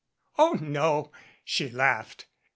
"Oh, no," she laughed.